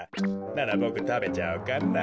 ならボクたべちゃおうかな。